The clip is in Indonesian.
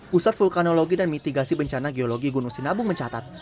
pusat vulkanologi dan mitigasi bencana geologi gunung sinabung mencatat